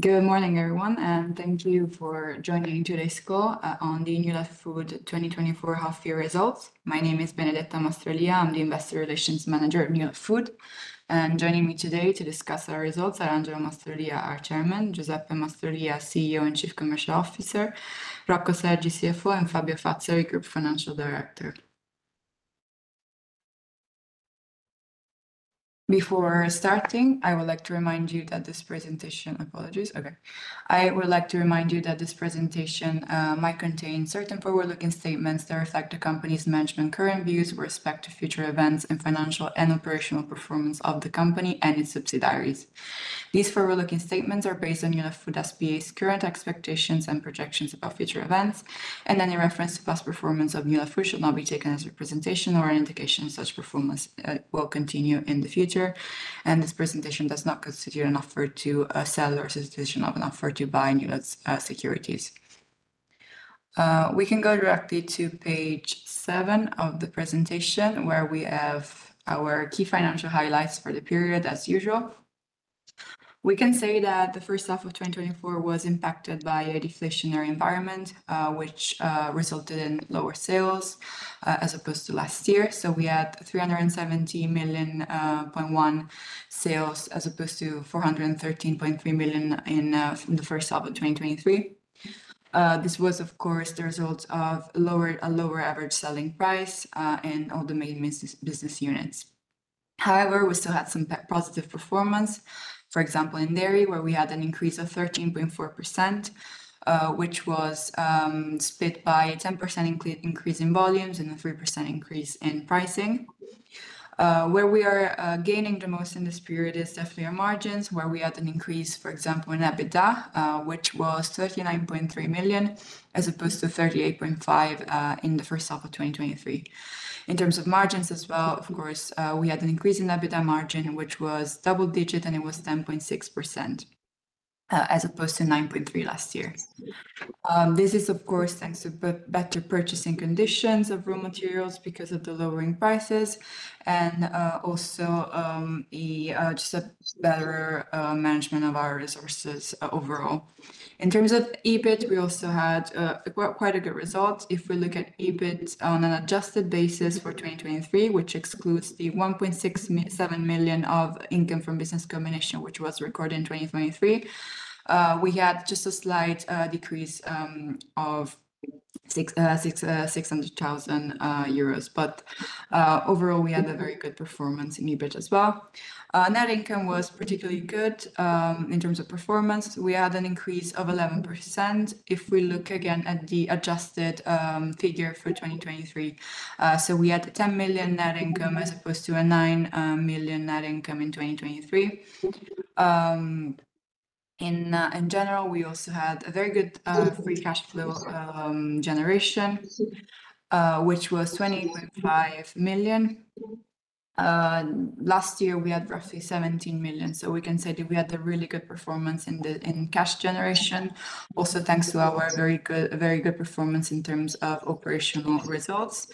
Good morning, everyone, and thank you for joining today's call on the Newlat Food 2024 half year results. My name is Benedetta Mastrolia. I'm the Investor Relations Manager at Newlat Food, and joining me today to discuss our results are Angelo Mastrolia, our Chairman; Giuseppe Mastrolia, our CEO and Chief Commercial Officer; Rocco Sergi, CFO; and Fabio Fazzari, Group Financial Director. Before starting, I would like to remind you that this presentation might contain certain forward-looking statements that reflect the company's management current views with respect to future events and financial and operational performance of the company and its subsidiaries. These forward-looking statements are based on Newlat Food S.p.A.'s current expectations and projections about future events, and any reference to past performance of Newlat Food should not be taken as a representation or an indication such performance will continue in the future, and this presentation does not constitute an offer to sell or a solicitation of an offer to buy Newlat's securities. We can go directly to page seven of the presentation, where we have our key financial highlights for the period as usual. We can say that the first half of 2024 was impacted by a deflationary environment, which resulted in lower sales as opposed to last year. We had 370.1 million sales as opposed to 413.3 million in the first half of 2023. This was, of course, the result of a lower average selling price in all the main business units. However, we still had some positive performance. For example, in dairy, where we had an increase of 13.4%, which was split by a 10% increase in volumes and a 3% increase in pricing. Where we are gaining the most in this period is definitely our margins, where we had an increase, for example, in EBITDA, which was 39.3 million, as opposed to 38.5 million in the first half of 2023. In terms of margins as well, of course, we had an increase in EBITDA margin, which was double digit, and it was 10.6%, as opposed to 9.3% last year. This is, of course, thanks to better purchasing conditions of raw materials because of the lowering prices and also just a better management of our resources overall. In terms of EBIT, we also had quite a good result. If we look at EBIT on an adjusted basis for 2023, which excludes the 1.67 million of income from business combination, which was recorded in 2023, we had just a slight decrease of 600,000 euros. But overall, we had a very good performance in EBIT as well. Net income was particularly good in terms of performance. We had an increase of 11% if we look again at the adjusted figure for 2023. We had a 10 million net income as opposed to a 9 million net income in 2023. In general, we also had a very good free cash flow generation, which was 20.5 million. Last year, we had roughly 17 million, so we can say that we had a really good performance in cash generation. Also, thanks to our very good performance in terms of operational results.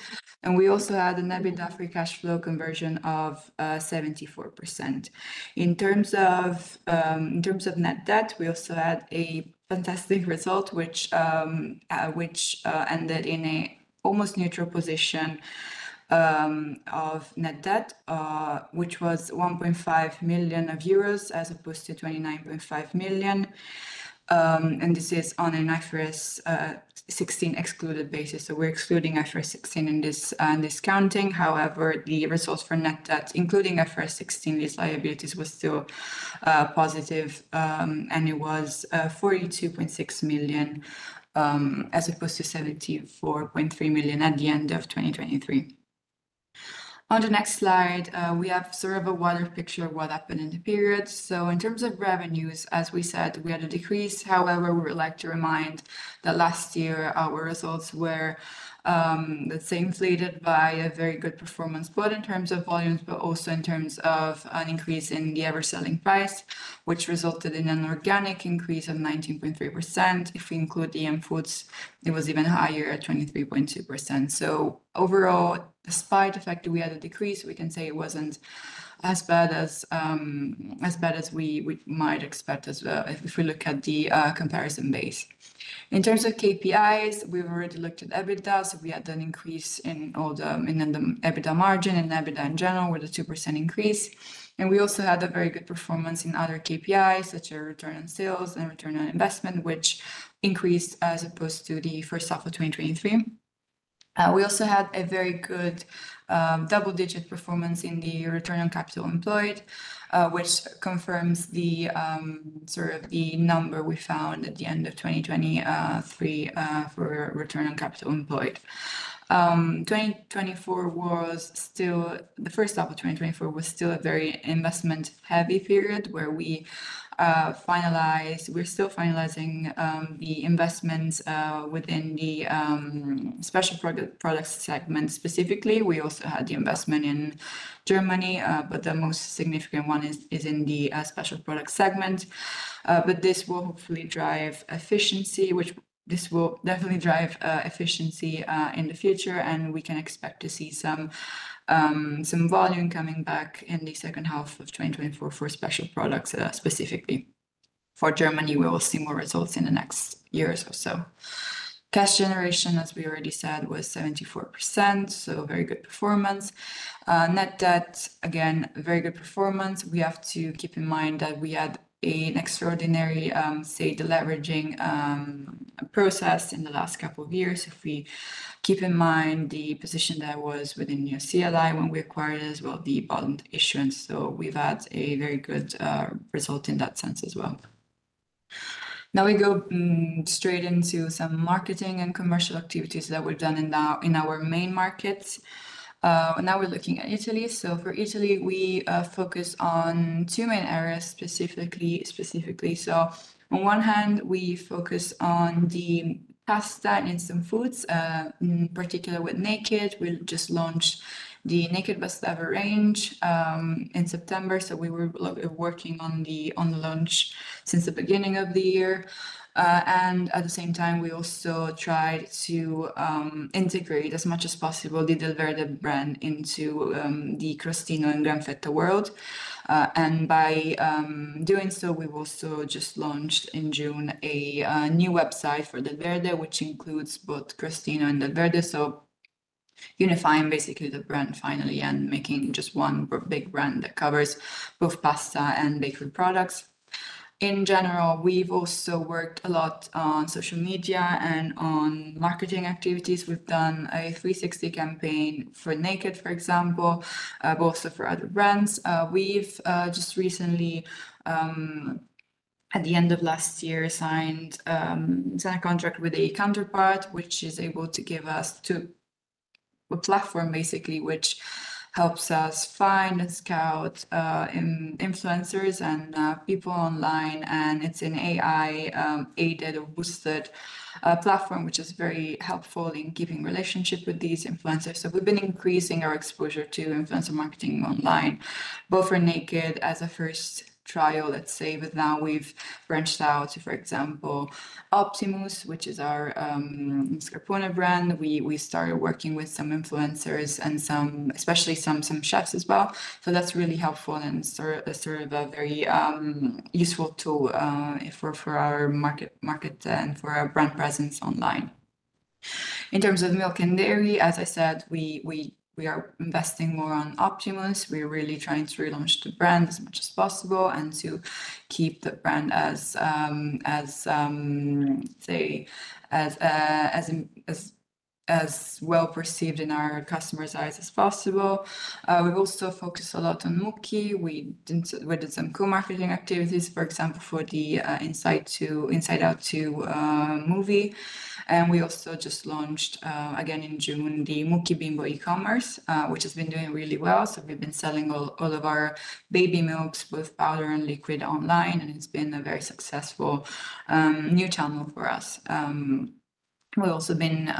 We also had an EBITDA free cash flow conversion of 74%. In terms of net debt, we also had a fantastic result, which ended in an almost neutral position of net debt, which was 1.5 million euros, as opposed to 29.5 million. And this is on an IFRS 16 excluded basis, so we're excluding IFRS 16 in this accounting. However, the results for net debt, including IFRS 16, these liabilities were still positive, and it was 42.6 million as opposed to 74.3 million at the end of 2023. On the next slide, we have sort of a wider picture of what happened in the period, so in terms of revenues, as we said, we had a decrease. However, we would like to remind that last year, our results were, let's say, inflated by a very good performance, both in terms of volumes, but also in terms of an increase in the average selling price, which resulted in an organic increase of 19.3%. If we include the inputs, it was even higher at 23.2%. So overall, despite the fact that we had a decrease, we can say it wasn't as bad as we might expect as well if we look at the comparison base. In terms of KPIs, we've already looked at EBITDA, so we had an increase in the EBITDA margin and EBITDA in general, with a 2% increase. And we also had a very good performance in other KPIs, such as return on sales and return on investment, which increased as opposed to the first half of 2023. We also had a very good double-digit performance in the return on capital employed, which confirms the sort of the number we found at the end of 2023 for return on capital employed. The first half of 2024 was still a very investment-heavy period, where we're still finalizing the investments within the special products segment specifically. We also had the investment in Germany, but the most significant one is in the special products segment. But this will hopefully drive efficiency, which this will definitely drive efficiency in the future, and we can expect to see some volume coming back in the second half of 2024 for special products specifically. For Germany, we will see more results in the next years or so. Cash generation, as we already said, was 74%, so very good performance. Net debt, again, very good performance. We have to keep in mind that we had an extraordinary, say, deleveraging process in the last couple of years. If we keep in mind the position that was within CLI when we acquired it, as well, the bond issuance, so we've had a very good result in that sense as well. Now we go straight into some marketing and commercial activities that we've done in our main markets. Now we're looking at Italy. So for Italy, we focus on two main areas, specifically. So on one hand, we focus on the pasta and some foods, in particular, with Naked. We've just launched the Naked Pasta range in September, so we were working on the launch since the beginning of the year. And at the same time, we also tried to integrate as much as possible the Delverde brand into the Crostino and GranFetta world. And by doing so, we've also just launched in June a new website for Delverde, which includes both Crostino and Delverde, so unifying basically the brand finally, and making just one big brand that covers both pasta and bakery products. In general, we've also worked a lot on social media and on marketing activities. We've done a 360 campaign for Naked, for example, but also for other brands. We've just recently at the end of last year signed a contract with a counterpart, which is able to give us a platform, basically, which helps us find and scout influencers and people online. And it's an AI aided or boosted platform, which is very helpful in keeping relationship with these influencers. So we've been increasing our exposure to influencer marketing online, both for Naked as a first trial, let's say, but now we've branched out to, for example, Optimus, which is our mascarpone brand. We started working with some influencers and especially some chefs as well. So that's really helpful and sort of a very useful tool for our market and for our brand presence online. In terms of milk and dairy, as I said, we are investing more on Optimus. We're really trying to relaunch the brand as much as possible and to keep the brand as say as well perceived in our customers' eyes as possible. We've also focused a lot on Mukki. We did some co-marketing activities, for example, for the Inside Out 2 movie. And we also just launched again in June the Mukki Bimbo e-commerce which has been doing really well. So we've been selling all of our baby milks with powder and liquid online, and it's been a very successful new channel for us. We've also been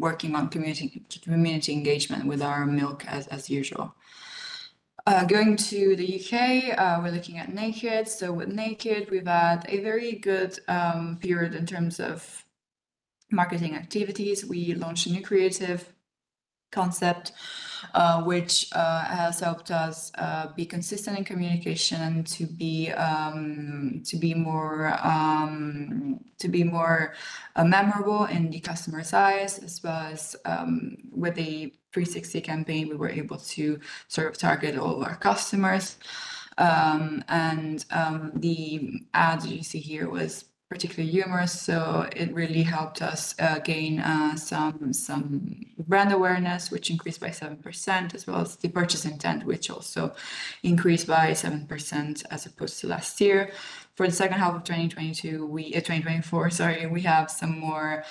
working on community engagement with our milk as usual. Going to the U.K., we're looking at Naked. So with Naked, we've had a very good period in terms of marketing activities. We launched a new creative concept, which has helped us be consistent in communication, to be more memorable in the customer's eyes, as well as with the 360 campaign, we were able to sort of target all our customers. And the ad you see here was particularly humorous, so it really helped us gain some brand awareness, which increased by 7%, as well as the purchase intent, which also increased by 7% as opposed to last year. For the second half of 2024, sorry, we have some more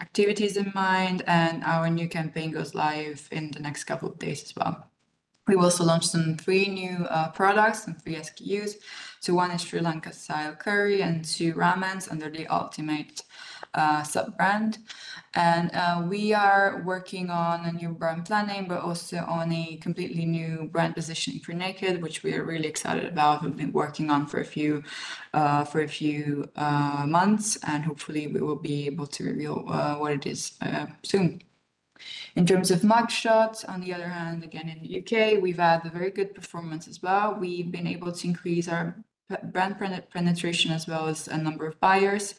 activities in mind, and our new campaign goes live in the next couple of days as well. We will also launch some three new products and three SKUs, so one is Sri Lanka-style curry and two ramens under the Ultimate sub-brand, and we are working on a new brand planning, but also on a completely new brand positioning for Naked, which we are really excited about and been working on for a few months, and hopefully, we will be able to reveal what it is soon. In terms of Mug Shot, on the other hand, again, in the U.K., we've had a very good performance as well. We've been able to increase our brand penetration as well as a number of buyers,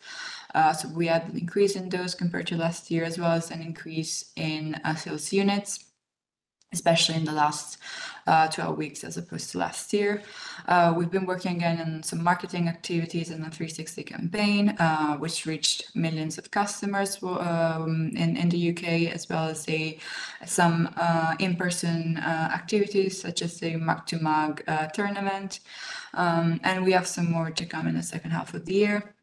so we had an increase in those compared to last year, as well as an increase in sales units, especially in the last 12 weeks as opposed to last year. We've been working again on some marketing activities in the 360 campaign, which reached millions of customers in the U.K., as well as some in-person activities, such as the Mug to Mug tournament. We have some more to come in the second half of the year.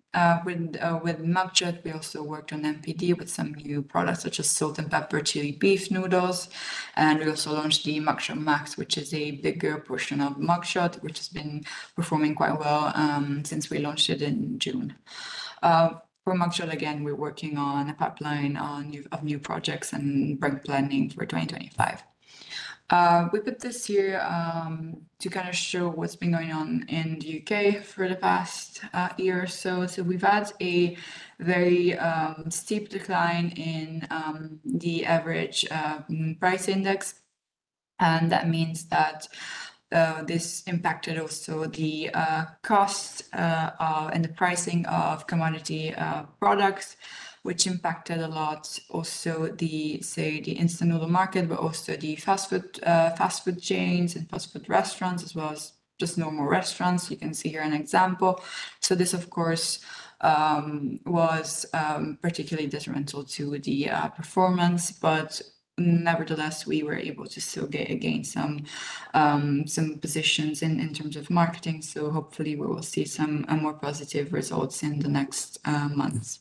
With Mug Shot, we also worked on NPD with some new products, such as salt and pepper, chili beef noodles, and we also launched the Mug Shot Max, which is a bigger portion of Mug Shot, which has been performing quite well since we launched it in June. For Mug Shot, again, we're working on a pipeline of new projects and brand planning for 2025. We put this here to kind show what's been going on in the U.K. for the past year or so. So we've had a very steep decline in the average price index and that means that this impacted also the cost and the pricing of commodity products, which impacted a lot also the, say, instant noodle market, but also the fast food fast food chains and fast food restaurants, as well as just normal restaurants. You can see here an example. So this, of course, was particularly detrimental to the performance, but nevertheless, we were able to still get, again, some positions in terms of marketing. So hopefully we will see some more positive results in the next months.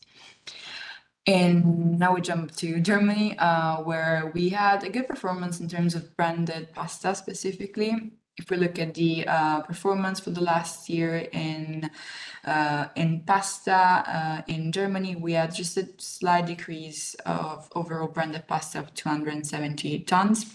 And now we jump to Germany, where we had a good performance in terms of branded pasta specifically. If we look at the performance for the last year in pasta in Germany, we had just a slight decrease of overall branded pasta of 278 tons,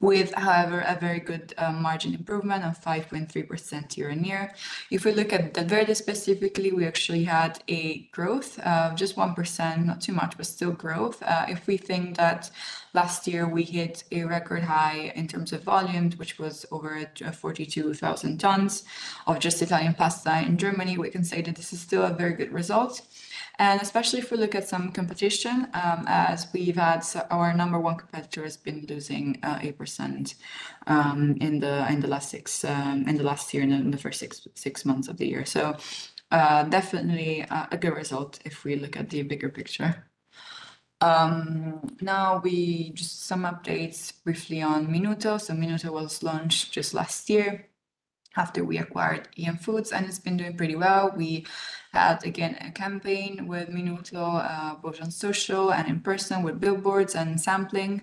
with, however, a very good margin improvement of 5.3% year-on-year. If we look at Delverde specifically, we actually had a growth of just 1%, not too much, but still growth. If we think that last year we hit a record high in terms of volumes, which was over 42,000 tons of just Italian pasta in Germany, we can say that this is still a very good result, and especially if we look at some competition, as we've had... Our number one competitor has been losing 8% in the last year and in the first six months of the year. Definitely, a good result if we look at the bigger picture. Now, just some updates briefly on Minuto. Minuto was launched just last year after we acquired EM Foods, and it's been doing pretty well. We had, again, a campaign with Minuto both on social and in person, with billboards and sampling.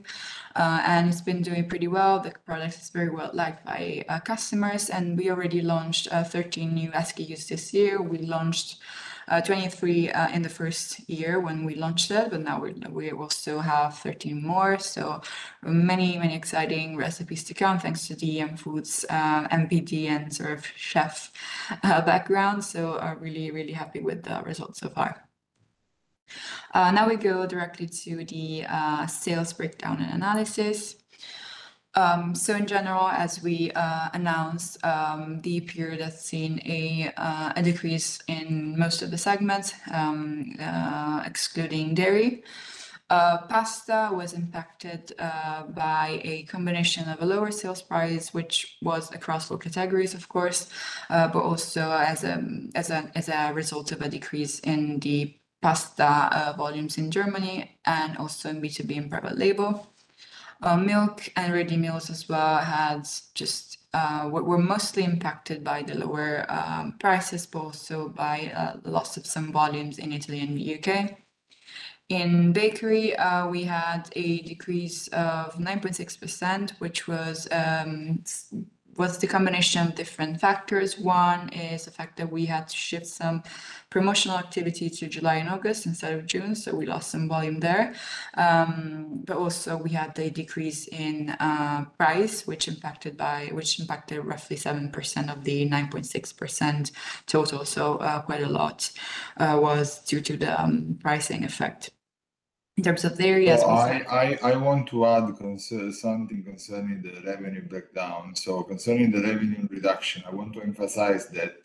And it's been doing pretty well. The product is very well liked by customers, and we already launched 13 new SKUs this year. We launched 23 in the first year when we launched it, but now we will still have 13 more. So many, many exciting recipes to come, thanks to the EM Foods, NPD and sort of chef background. So I'm really, really happy with the results so far. Now we go directly to the sales breakdown and analysis. So in general, as we announced, the period has seen a decrease in most of the segments, excluding dairy. Pasta was impacted by a combination of a lower sales price, which was across all categories, of course, but also as a result of a decrease in the pasta volumes in Germany and also in B2B and private label. Milk and ready meals as well were mostly impacted by the lower prices, but also by the loss of some volumes in Italy and the U.K. In bakery, we had a decrease of 9.6%, which was the combination of different factors. One is the fact that we had to shift some promotional activity to July and August instead of June, so we lost some volume there. But also we had a decrease in price, which impacted roughly 7% of the 9.6% total. So, quite a lot was due to the pricing effect. In terms of the areas. I want to add concern, something concerning the revenue breakdown. Concerning the revenue reduction, I want to emphasize that,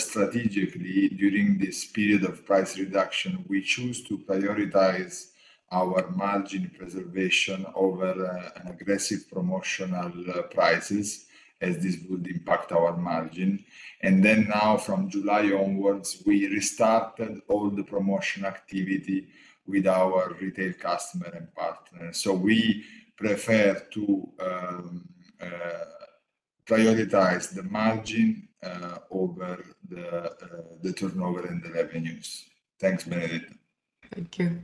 strategically, during this period of price reduction, we chose to prioritize our margin preservation over aggressive promotional prices, as this would impact our margin. And then now from July onwards, we restarted all the promotion activity with our retail customer and partners. We prefer to prioritize the margin over the turnover and the revenues. Thanks, Benedetta. Thank you.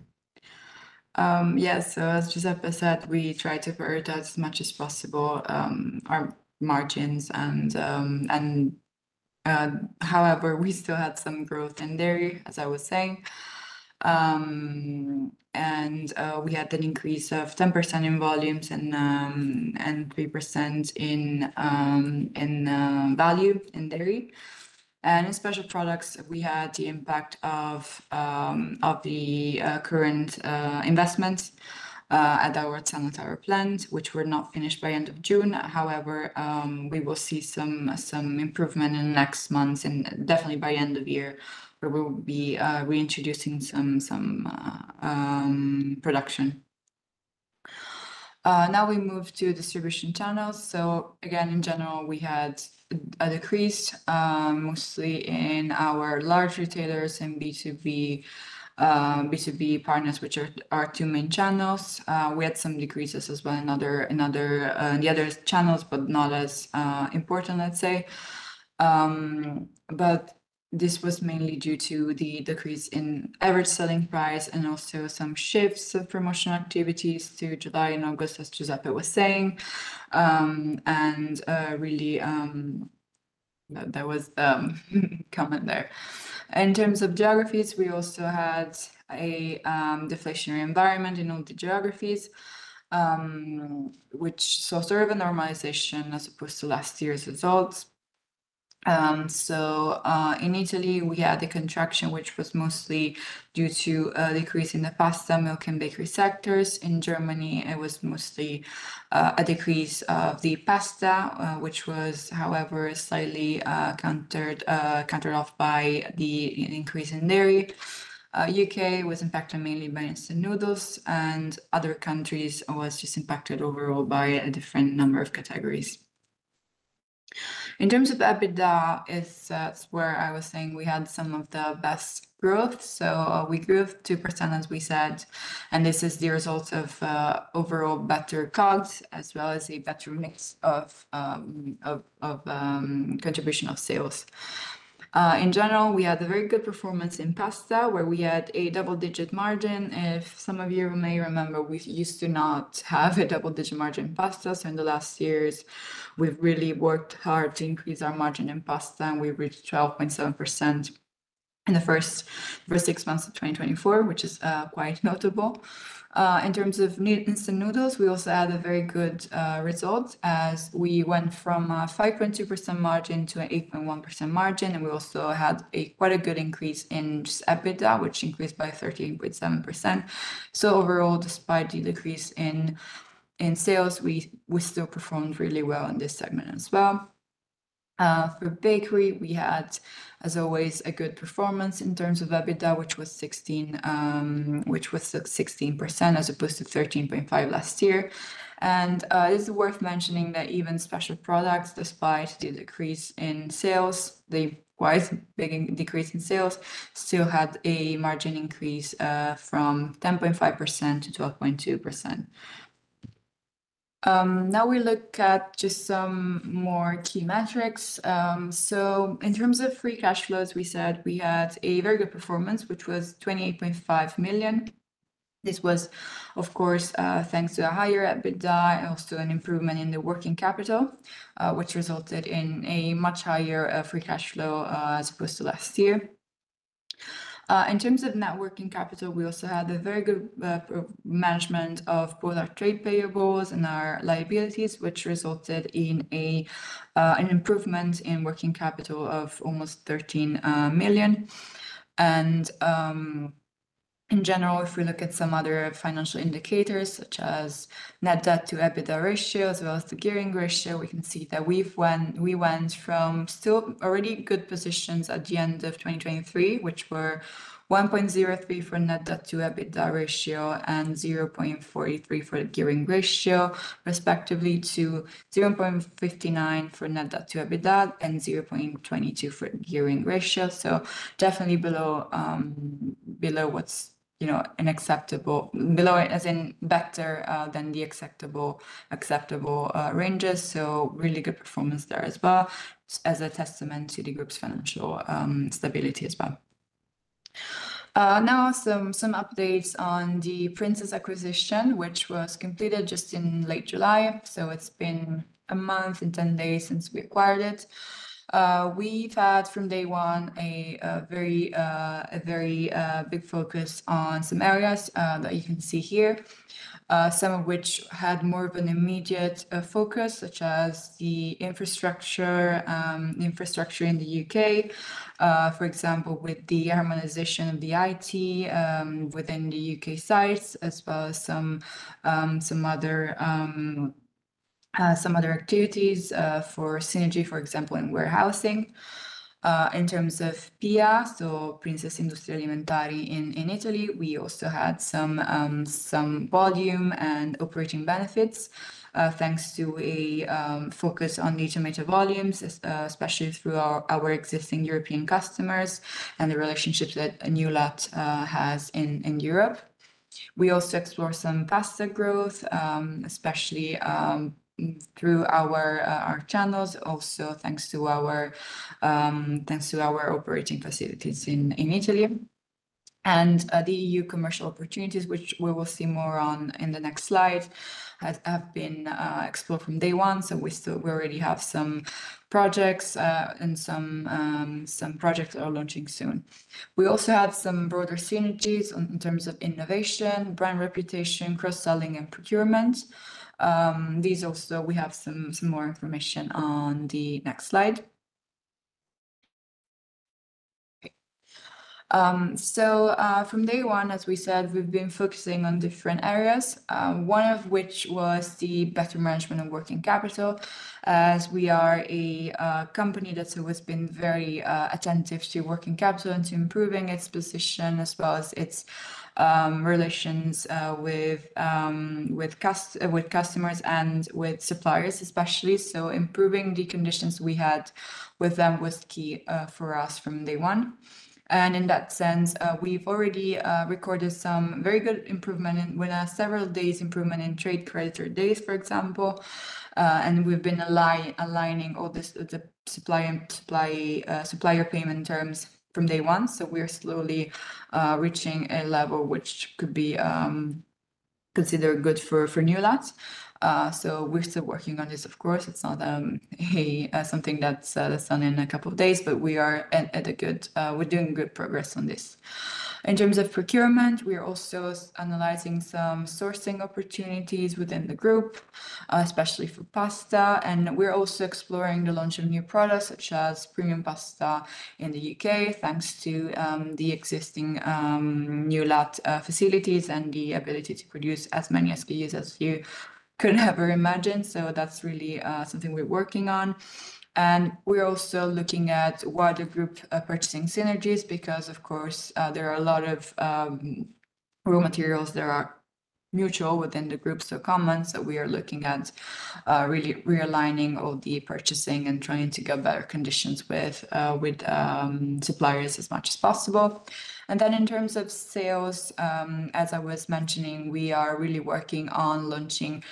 Yes, so as Giuseppe said, we try to protect as much as possible our margins and... However, we still had some growth in dairy, as I was saying. And we had an increase of 10% in volumes and 3% in value in dairy. And in special products, we had the impact of the current investment at our San Vito al Tagliamento plant, which were not finished by end of June. However, we will see some improvement in the next months, and definitely by end of year, we will be reintroducing some production. Now we move to distribution channels. So again, in general, we had a decrease mostly in our large retailers and B2B partners, which are our two main channels. We had some decreases as well in the other channels, but not as important, let's say. But this was mainly due to the decrease in average selling price and also some shifts of promotional activities to July and August, as Giuseppe was saying. And really, there was comment there. In terms of geographies, we also had a deflationary environment in all the geographies, which so sort of a normalization as opposed to last year's results. So in Italy, we had a contraction, which was mostly due to a decrease in the pasta, milk, and bakery sectors. In Germany, it was mostly a decrease of the pasta, which was, however, slightly countered off by the increase in dairy. U.K. was impacted mainly by instant noodles, and other countries was just impacted overall by a different number of categories. In terms of EBITDA, it's where I was saying we had some of the best growth, so we grew 2%, as we said, and this is the result of overall better COGS, as well as a better mix of contribution of sales. In general, we had a very good performance in pasta, where we had a double-digit margin. If some of you may remember, we used to not have a double-digit margin in pasta, so in the last years, we've really worked hard to increase our margin in pasta, and we reached 12.7% in the first six months of 2024, which is quite notable. In terms of instant noodles, we also had a very good result as we went from 5.2% margin to an 8.1% margin, and we also had quite a good increase in just EBITDA, which increased by 13.7%. So overall, despite the decrease in sales, we still performed really well in this segment as well. For bakery, we had, as always, a good performance in terms of EBITDA, which was at 16%, as opposed to 13.5% last year. And it's worth mentioning that even special products, despite the decrease in sales, the quite big decrease in sales, still had a margin increase from 10.5%-12.2%. Now we look at just some more key metrics. So in terms of free cash flows, we said we had a very good performance, which was 28.5 million. This was, of course, thanks to a higher EBITDA and also an improvement in the working capital, which resulted in a much higher free cash flow as opposed to last year. In terms of net working capital, we also had a very good proper management of both our trade payables and our liabilities, which resulted in an improvement in working capital of almost 13 million. In general, if we look at some other financial indicators, such as net debt to EBITDA ratio, as well as the gearing ratio, we can see that we went from still already good positions at the end of 2023, which were 1.03 for net debt to EBITDA ratio and 0.43 for the gearing ratio, respectively, to 0.59 for net debt to EBITDA and 0.22 for gearing ratio. So definitely below what's, you know, an acceptable, below, as in better, than the acceptable ranges. So really good performance there as well, as a testament to the group's financial stability as well. Now some updates on the Princes acquisition, which was completed just in late July. So it's been a month and 10 days since we acquired it. We've had, from day one, a very big focus on some areas that you can see here, some of which had more of an immediate focus, such as the infrastructure in the U.K. For example, with the harmonization of the IT within the U.K. sites, as well as some other activities for synergy, for example, in warehousing. In terms of PIA, so Princes Industrie Alimentari in Italy, we also had some volume and operating benefits thanks to a focus on niche and major volumes, especially through our existing European customers and the relationships that Newlat has in Europe. We also explore some faster growth, especially through our channels. Also, thanks to our operating facilities in Italy and the EU commercial opportunities, which we will see more on in the next slide, have been explored from day one. We already have some projects, and some projects are launching soon. We also had some broader synergies in terms of innovation, brand reputation, cross-selling, and procurement. These also, we have some more information on the next slide. Okay. From day one, as we said, we've been focusing on different areas, one of which was the better management of working capital. As we are a company that's always been very attentive to working capital and to improving its position, as well as its relations with customers and with suppliers, especially. So improving the conditions we had with them was key for us from day one. And in that sense, we've already recorded some very good improvement in... We're now several days improvement in trade creditor days, for example. And we've been aligning all the supplier payment terms from day one, so we're slowly reaching a level which could be considered good for Newlat. So we're still working on this, of course. It's not a something that's done in a couple of days, but we are at a good we're doing good progress on this. In terms of procurement, we are also analyzing some sourcing opportunities within the group, especially for pasta. And we're also exploring the launch of new products, such as premium pasta in the U.K., thanks to the existing Newlat facilities, and the ability to produce as many SKUs as you could ever imagine. So that's really something we're working on. And we're also looking at wider group purchasing synergies, because, of course, there are a lot of raw materials that are mutual within the group, so common. So we are looking at really realigning all the purchasing and trying to get better conditions with suppliers as much as possible. And then in terms of sales, as I was mentioning, we are really working on launching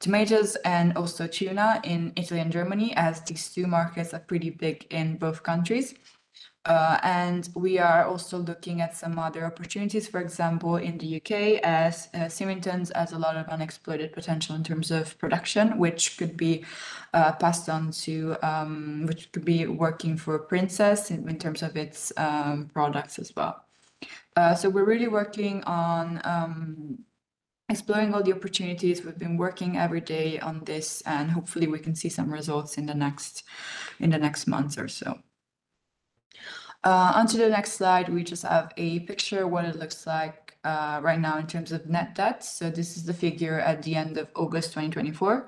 tomatoes and also tuna in Italy and Germany, as these two markets are pretty big in both countries. And we are also looking at some other opportunities, for example, in the U.K., as Symington's has a lot of unexploited potential in terms of production, which could be passed on to... which could be working for Princes in terms of its products as well. So we're really working on exploring all the opportunities. We've been working every day on this, and hopefully we can see some results in the next months or so. Onto the next slide, we just have a picture of what it looks like right now in terms of net debt. So this is the figure at the end of August 2024.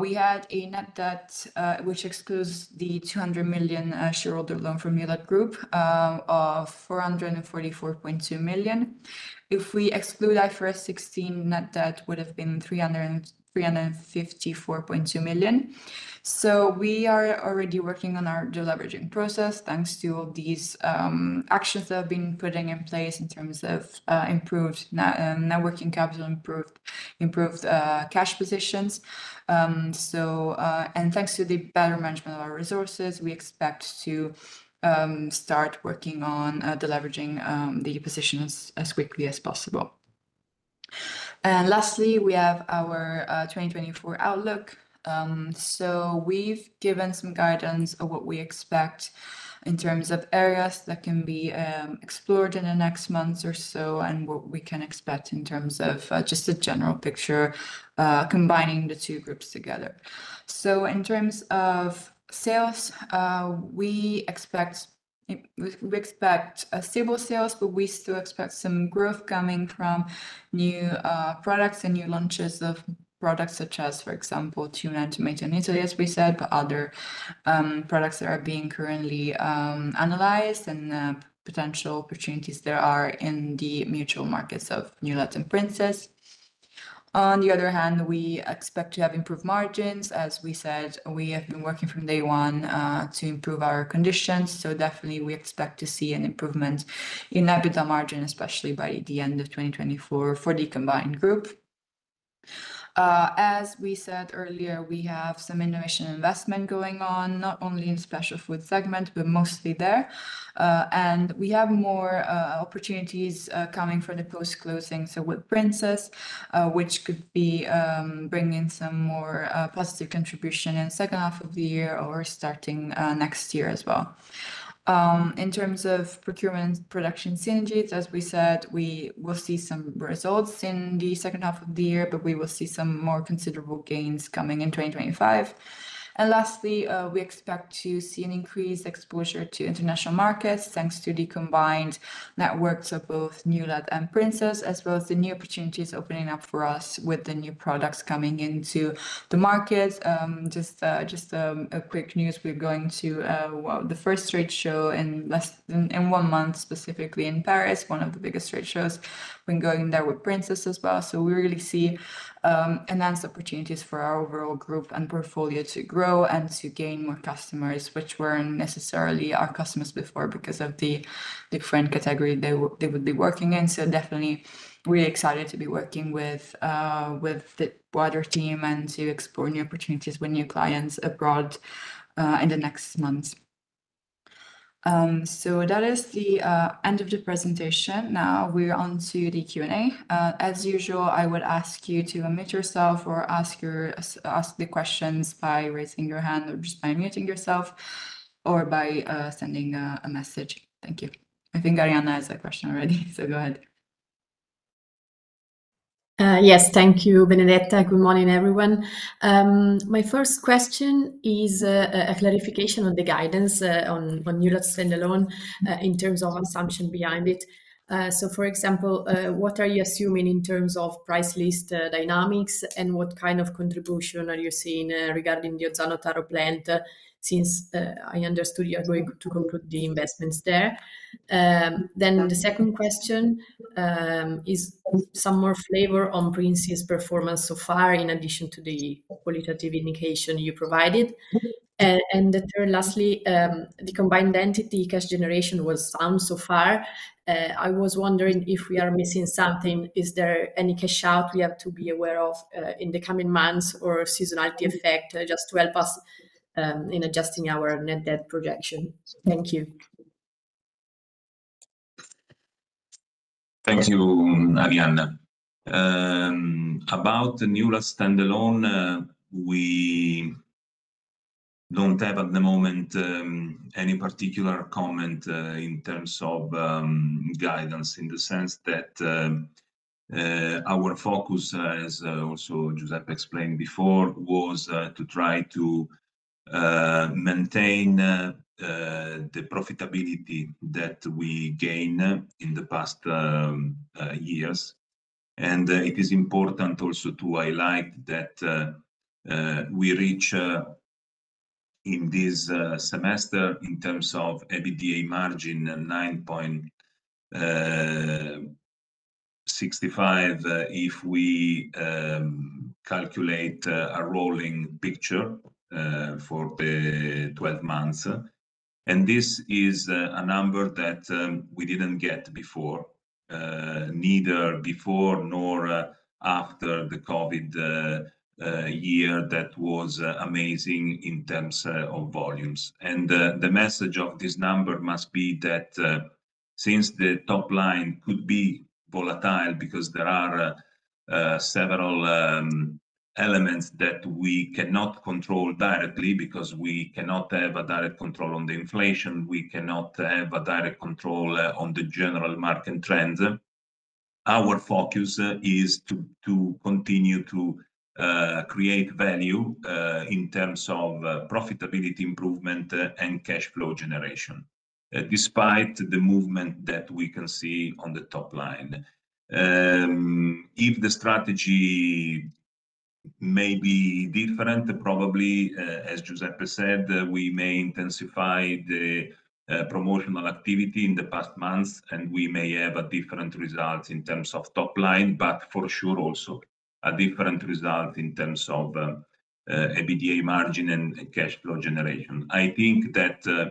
We had a net debt, which excludes the 200 million shareholder loan from Newlat Group, of 444.2 million. If we exclude IFRS 16, net debt would have been 354.2 million. We are already working on our de-leveraging process, thanks to all these actions that have been putting in place in terms of improved working capital, improved cash positions, and thanks to the better management of our resources, we expect to start working on de-leveraging the position as quickly as possible, and lastly, we have our 2024 outlook. We've given some guidance on what we expect in terms of areas that can be explored in the next months or so, and what we can expect in terms of just a general picture combining the two groups together. So in terms of sales, we expect stable sales, but we still expect some growth coming from new products and new launches of products such as, for example, tuna and tomato in Italy, as we said, but other products that are being currently analyzed, and potential opportunities there are in the mutual markets of Newlat and Princes. On the other hand, we expect to have improved margins. As we said, we have been working from day one to improve our conditions, so definitely we expect to see an improvement in EBITDA margin, especially by the end of 2024 for the combined group. As we said earlier, we have some innovation investment going on, not only in special food segment, but mostly there. And we have more opportunities coming from the post-closing, so with Princes, which could be bringing some more positive contribution in second half of the year or starting next year as well. In terms of procurement production synergies, as we said, we will see some results in the second half of the year, but we will see some more considerable gains coming in 2025. And lastly, we expect to see an increased exposure to international markets, thanks to the combined networks of both Newlat and Princes, as well as the new opportunities opening up for us with the new products coming into the market. Just a quick news: we're going to the first trade show in less than one month, specifically in Paris, one of the biggest trade shows. We're going there with Princes as well. So we really see enhanced opportunities for our overall group and portfolio to grow and to gain more customers, which weren't necessarily our customers before because of the different category they would be working in. So definitely really excited to be working with the broader team and to explore new opportunities with new clients abroad in the next months. So that is the end of the presentation. Now, we're onto the Q&A. As usual, I would ask you to unmute yourself or ask the questions by raising your hand or just by unmuting yourself, or by sending a message. Thank you. I think Arianna has a question already, so go ahead. Yes. Thank you, Benedetta. Good morning, everyone. My first question is a clarification on the guidance on Newlat standalone in terms of assumption behind it. So for example, what are you assuming in terms of price list dynamics, and what kind of contribution are you seeing regarding the Ozzano Taro plant since I understood you are going to conclude the investments there? Then the second question is some more flavor on Princes's performance so far, in addition to the qualitative indication you provided. And the third, lastly, the combined entity cash generation was strong so far. I was wondering if we are missing something. Is there any cash outflow we have to be aware of, in the coming months, or a seasonality effect, just to help us, in adjusting our net debt projection? Thank you. Thank you, Arianna. About the Newlat standalone, we don't have at the moment any particular comment in terms of our focus, as also Giuseppe explained before, was to try to maintain the profitability that we gained in the past years. And it is important also to highlight that we reach in this semester in terms of EBITDA margin 9.65%, if we calculate a rolling picture for the 12 months. And this is a number that we didn't get before, neither before nor after the COVID year. That was amazing in terms of volumes. The message of this number must be that, since the top line could be volatile because there are several elements that we cannot control directly, because we cannot have a direct control on the inflation, we cannot have a direct control on the general market trends. Our focus is to continue to create value in terms of profitability improvement and cash flow generation despite the movement that we can see on the top line. If the strategy may be different, probably, as Giuseppe said, we may intensify the promotional activity in the past months, and we may have a different result in terms of top line, but for sure, also a different result in terms of EBITDA margin and cash flow generation. I think that,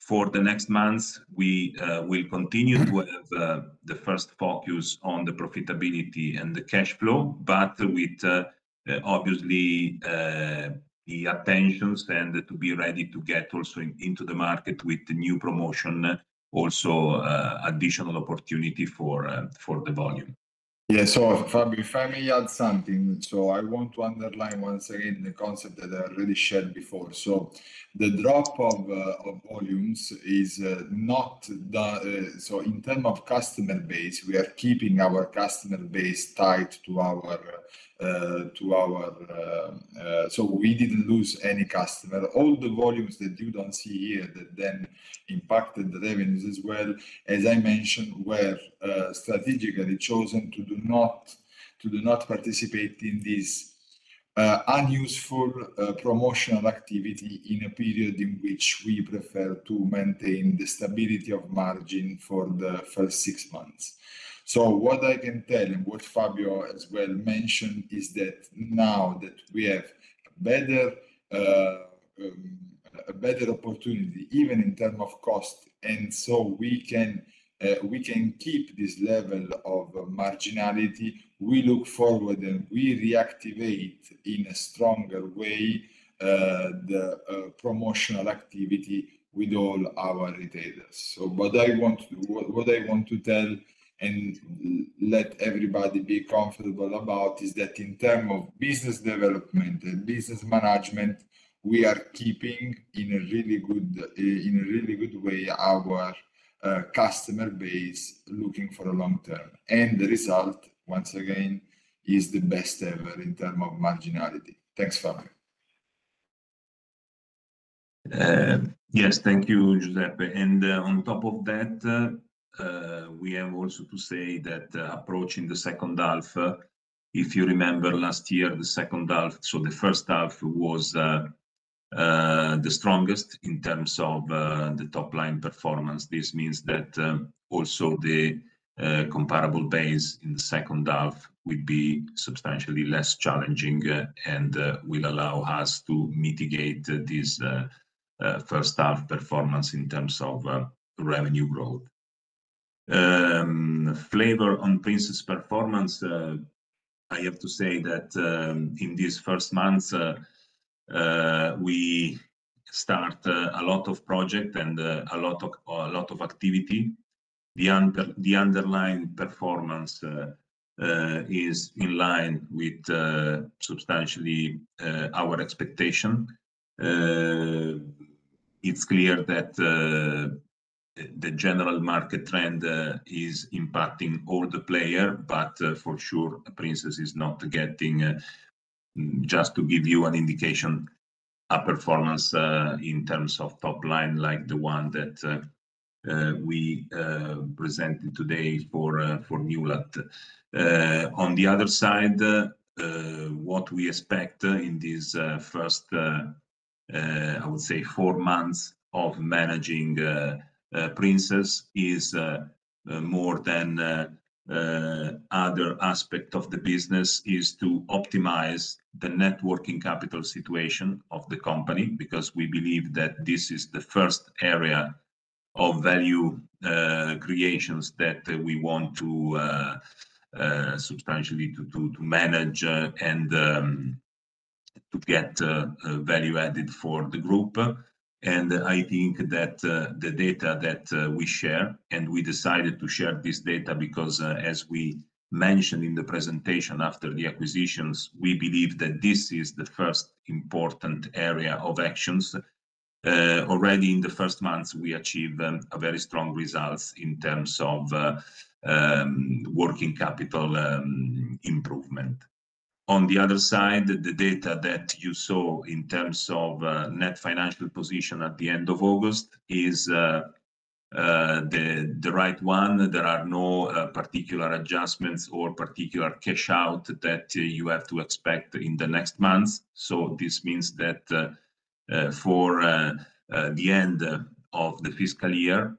for the next months, we will continue to have the first focus on the profitability and the cash flow, but with obviously the attentions and to be ready to get also into the market with the new promotion also additional opportunity for the volume. Yeah. So Fabio, if I may add something. So I want to underline once again the concept that I already shared before. So the drop of volumes is not the. So in terms of customer base, we are keeping our customer base tied to our. So we didn't lose any customer. All the volumes that you don't see here, that then impacted the revenues as well, as I mentioned, were strategically chosen to do not participate in this useless promotional activity in a period in which we prefer to maintain the stability of margin for the first six months. So what I can tell, and what Fabio as well mentioned, is that now that we have a better opportunity, even in terms of cost, and so we can keep this level of marginality, we look forward and we reactivate in a stronger way, the promotional activity with all our retailers. So what I want to tell and let everybody be comfortable about is that in terms of business development and business management, we are keeping in a really good way our customer base, looking for the long term, and the result, once again, is the best ever in terms of marginality. Thanks, Fabio. Yes, thank you, Giuseppe. And on top of that, we have also to say that approaching the second half, if you remember last year, the second half. So the first half was the strongest in terms of the top-line performance. This means that also the comparable base in the second half will be substantially less challenging and will allow us to mitigate this first half performance in terms of revenue growth. Update on Princes' performance, I have to say that in these first months we start a lot of projects and a lot of activity. The underlying performance is in line with substantially our expectation. It's clear that the general market trend is impacting all the players, but for sure, Princes is not getting, just to give you an indication, a performance in terms of top line, like the one that we presented today for Newlat. On the other side, what we expect in these first, I would say four months of managing Princes, is more than other aspects of the business, is to optimize the net working capital situation of the company, because we believe that this is the first area of value creation that we want to substantially to manage and to get value added for the group. And I think that the data that we share, and we decided to share this data because, as we mentioned in the presentation, after the acquisitions, we believe that this is the first important area of actions. Already in the first months, we achieved a very strong results in terms of working capital improvement. On the other side, the data that you saw in terms of net financial position at the end of August is the right one. There are no particular adjustments or particular cash out that you have to expect in the next months. So this means that for the end of the fiscal year,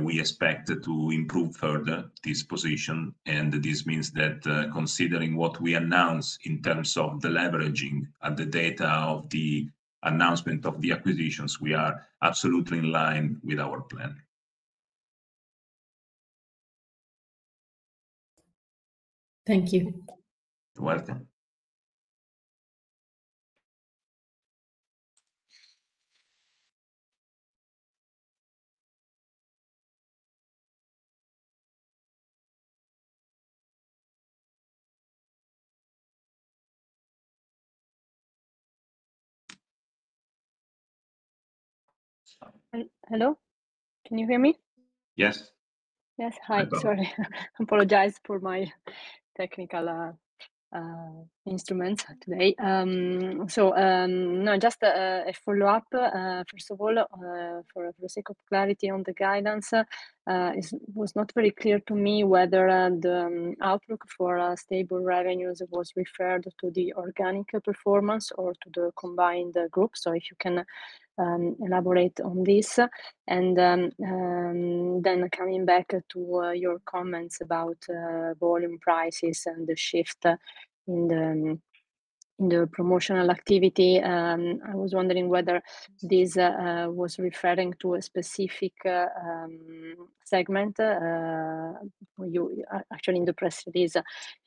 we expect to improve further this position. This means that, considering what we announce in terms of the leveraging and the data of the announcement of the acquisitions, we are absolutely in line with our plan. Thank you. You're welcome. Hello? Can you hear me? Yes. Yes. Hi. Hi, Paola. Sorry, I apologize for my technical instruments today. So, no, just a follow-up. First of all, for the sake of clarity on the guidance, it was not very clear to me whether the outlook for stable revenues was referred to the organic performance or to the combined group. So if you can elaborate on this. And then, coming back to your comments about volume prices and the shift in the promotional activity, I was wondering whether this was referring to a specific segment. Actually, in the press release,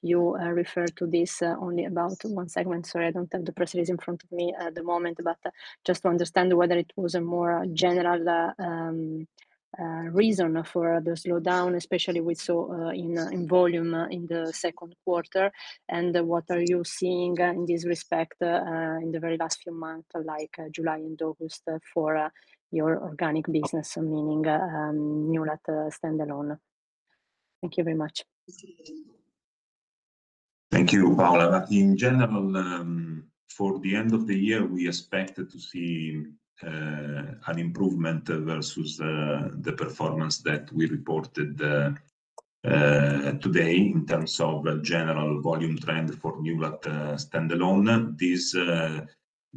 you referred to this only about one segment. Sorry, I don't have the press release in front of me at the moment, but just to understand whether it was a more general reason for the slowdown, especially we saw in volume in the second quarter, and what are you seeing in this respect in the very last few months, like July and August, for your organic business, meaning Newlat standalone? Thank you very much. Thank you, Paola. In general, for the end of the year, we expect to see an improvement versus the performance that we reported today in terms of the general volume trend for Newlat standalone. This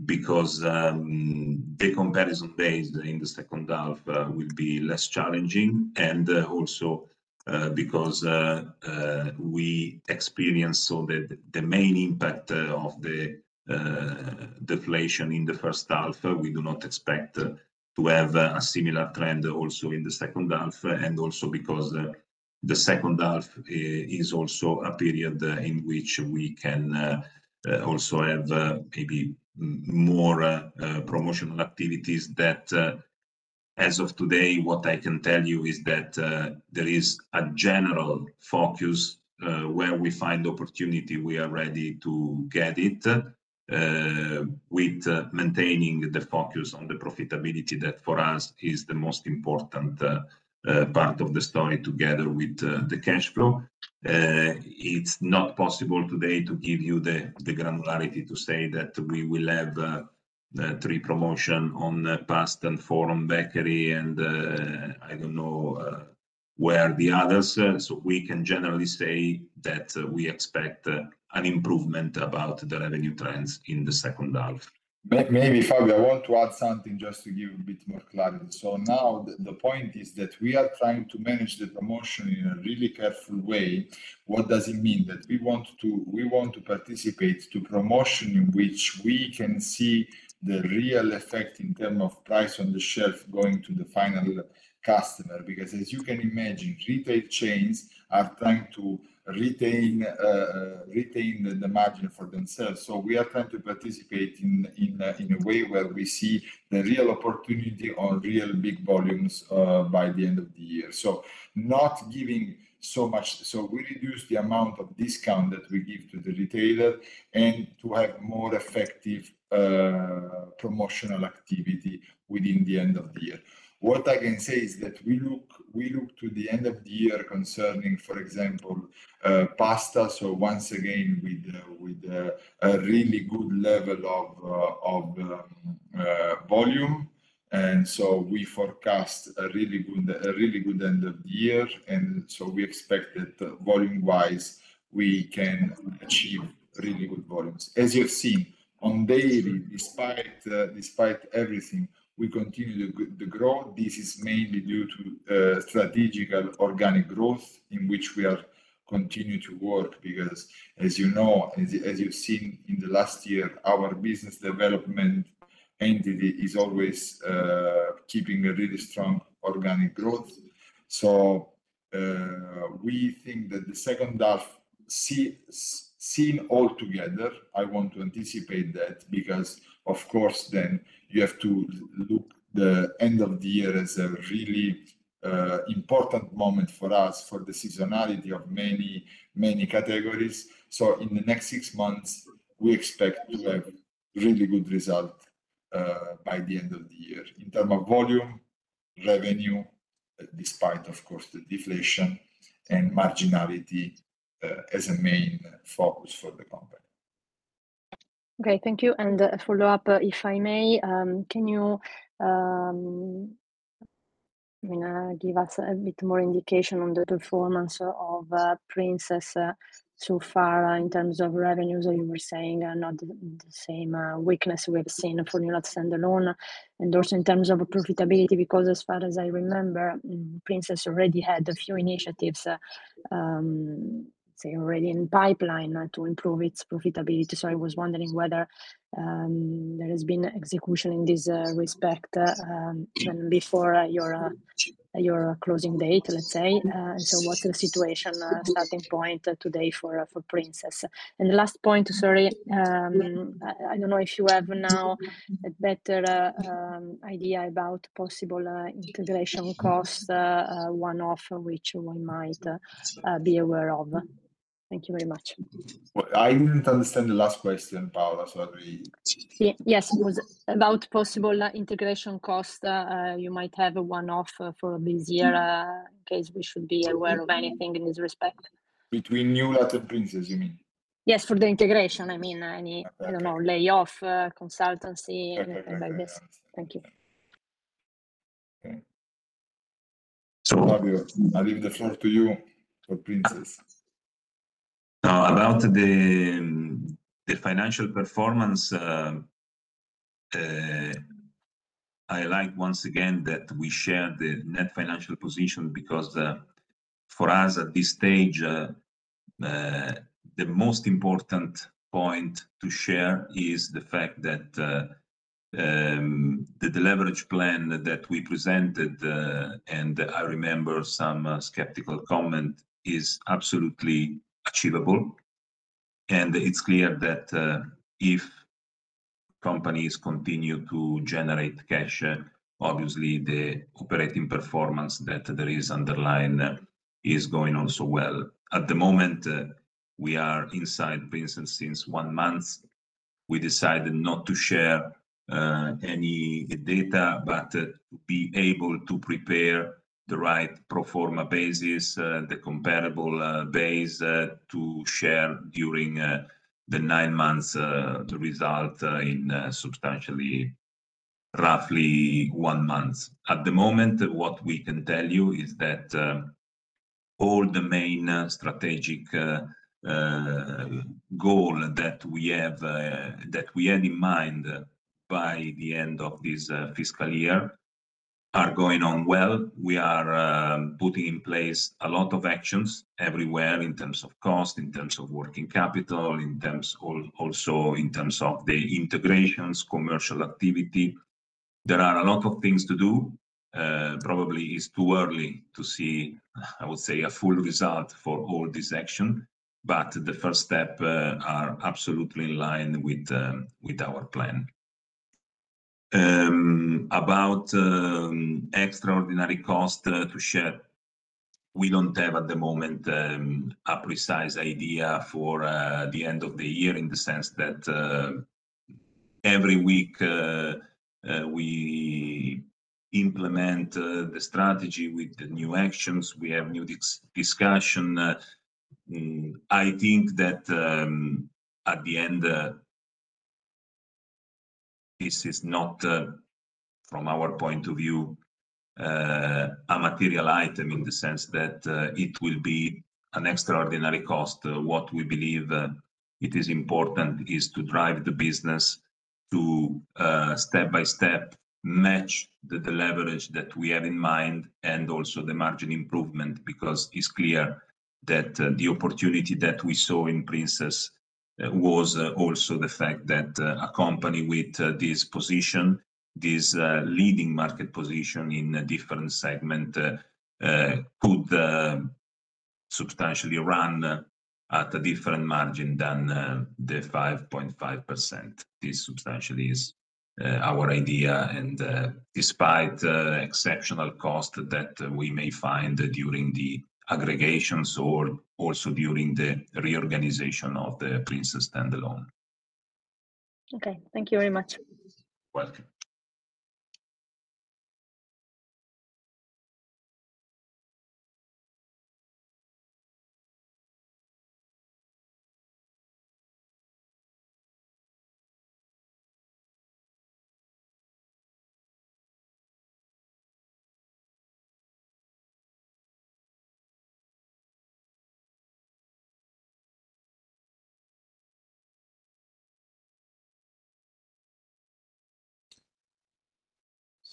because the comparison base in the second half will be less challenging, and also because we experienced so the main impact of the deflation in the first half, we do not expect to have a similar trend also in the second half, and also because the second half is also a period in which we can also have maybe more promotional activities. That, as of today, what I can tell you is that there is a general focus where we find opportunity. We are ready to get it with maintaining the focus on the profitability that, for us, is the most important part of the story, together with the cash flow. It's not possible today to give you the granularity to say that we will have three promotion on pasta and four on bakery, and I don't know where the others. So we can generally say that we expect an improvement about the revenue trends in the second half. Maybe, Fabio, I want to add something just to give a bit more clarity. So now the point is that we are trying to manage the promotion in a really careful way. What does it mean? That we want to participate in promotions in which we can see the real effect in terms of price on the shelf going to the final customer. Because as you can imagine, retail chains are trying to retain the margin for themselves. So we are trying to participate in a way where we see the real opportunity or real big volumes by the end of the year. So not giving so much. So we reduce the amount of discount that we give to the retailer and to have more effective promotional activity within the end of the year. What I can say is that we look to the end of the year concerning, for example, pasta. So once again, with a really good level of volume. And so we forecast a really good end of the year, and so we expect that volume-wise, we can achieve really good volumes. As you have seen, on daily, despite everything, we continue to grow. This is mainly due to strategic organic growth, in which we are continue to work because, as you know, as you've seen in the last year, our business development entity is always keeping a really strong organic growth. So, we think that the second half, seen all together, I want to anticipate that, because, of course, then you have to look to the end of the year as a really important moment for us, for the seasonality of many, many categories. So in the next six months, we expect to have really good result by the end of the year. In terms of volume, revenue, despite, of course, the deflation and marginality as a main focus for the company. Okay, thank you, and a follow-up, if I may. Can you, you know, give us a bit more indication on the performance of Princes so far in terms of revenues? So you were saying not the same weakness we have seen for standalone. And also in terms of profitability, because as far as I remember, Princes already had a few initiatives, say, already in pipeline to improve its profitability. So I was wondering whether there has been execution in this respect before your closing date, let's say. So what's the situation starting point today for Princes? And the last point, sorry, I don't know if you have now a better idea about possible integration costs, one-off, which one might be aware of? Thank you very much. I didn't understand the last question, Paola. Sorry. Yeah. Yes, it was about possible integration cost. You might have a one-off for this year, in case we should be aware of anything in this respect. Between Newlat and Princes, you mean? Yes, for the integration. I mean, any, I don't know, layoff, consultancy, anything like this. Okay. Thank you. Okay. So Fabio, I leave the floor to you for Princes. About the financial performance, I like once again that we share the net financial position, because, for us at this stage, the most important point to share is the fact that, the leverage plan that we presented, and I remember some skeptical comment, is absolutely achievable, and it's clear that, if companies continue to generate cash, obviously, the operating performance that there is underlying is going on so well. At the moment, we are inside Princes since one month. We decided not to share any data, but, to be able to prepare the right pro forma basis, the comparable base, to share during the nine months, the result, in substantially roughly one month. At the moment, what we can tell you is that all the main strategic goal that we have, that we had in mind by the end of this fiscal year are going on well. We are putting in place a lot of actions everywhere in terms of cost, in terms of working capital, in terms all also in terms of the integrations, commercial activity. There are a lot of things to do. Probably it's too early to see, I would say, a full result for all this action, but the first step are absolutely in line with our plan. About extraordinary cost to share, we don't have at the moment a precise idea for the end of the year, in the sense that every week we implement the strategy with the new actions, we have new discussion. I think that at the end this is not from our point of view a material item, in the sense that it will be an extraordinary cost. What we believe it is important is to drive the business to step-by-step match the leverage that we have in mind, and also the margin improvement. Because it's clear that the opportunity that we saw in Princes was also the fact that a company with this position, this leading market position in a different segment could substantially run at a different margin than the 5.5%. This substantially is our idea, and despite exceptional cost that we may find during the aggregations or also during the reorganization of the Princes standalone. Okay. Thank you very much.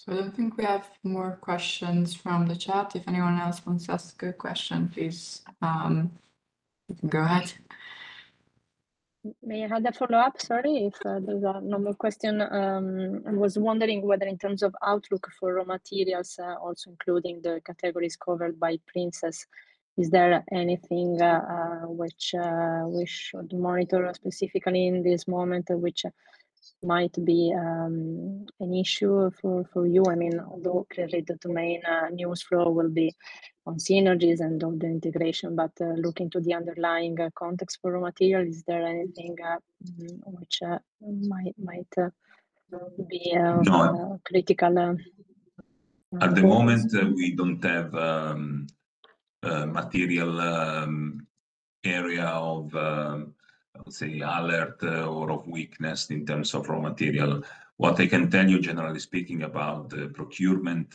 Welcome. So I don't think we have more questions from the chat. If anyone else wants to ask a question, please, go ahead. May I have the follow-up? Sorry, if there's a normal question. I was wondering whether in terms of outlook for raw materials, also including the categories covered by Princes, is there anything, which, we should monitor specifically in this moment, which might be, an issue for you? I mean, although clearly the domain, news flow will be on synergies and on the integration, but, looking to the underlying context for raw material, is there anything, which, might, be, No Critical? At the moment, we don't have material area of, I would say, alert or of weakness in terms of raw material. What I can tell you, generally speaking, about the procurement,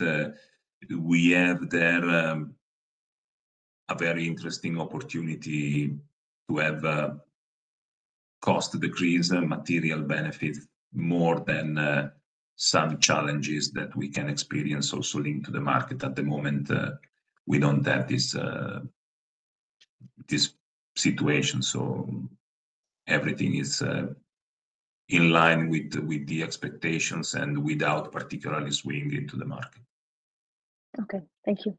we have there a very interesting opportunity to have cost decrease and material benefit more than some challenges that we can experience also linked to the market. At the moment, we don't have this situation, so everything is in line with the expectations and without particularly swinging into the market. Okay. Thank you.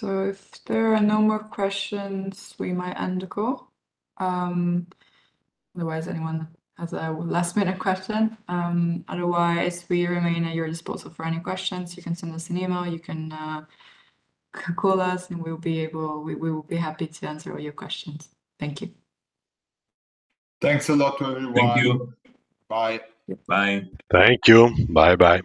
So if there are no more questions, we might end the call. Otherwise, anyone has a last-minute question? Otherwise, we remain at your disposal for any questions. You can send us an email, you can call us, and we'll be able. We will be happy to answer all your questions. Thank you. Thanks a lot, everyone. Thank you. Thank you. Bye-bye.